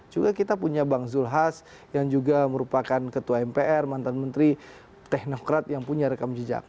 juga kita punya bang zulhas yang juga merupakan ketua mpr mantan menteri teknokrat yang punya rekam jejak